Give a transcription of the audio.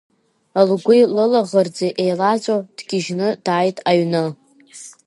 Лгәи лылаӷырӡи еилаҵәо дгьежьны дааит аҩны.